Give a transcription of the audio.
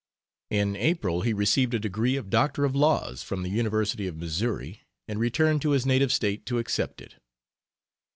In April he received a degree of LL.D. from the University of Missouri and returned to his native State to accept it.